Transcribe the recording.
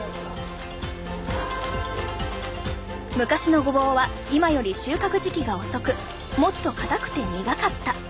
昔のごぼうは今より収穫時期が遅くもっとかたくて苦かった。